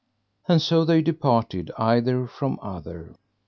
And so they departed either from other.